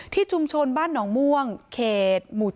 ชุมชนบ้านหนองม่วงเขตหมู่๗